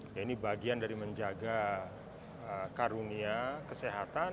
ya ini bagian dari menjaga karunia kesehatan